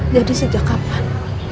jadi sejak kapan